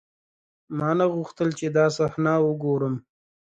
ما نه غوښتل چې دا صحنه وګورم.